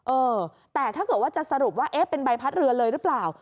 เออแต่ถ้าเกิดว่าจะสรุปว่าเอ๊ะเป็นใบพัดเรือเลยหรือเปล่า